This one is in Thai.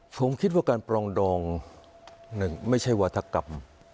ผมคิดว่าการปรองดองหนึ่งไม่ใช่วาธกรรม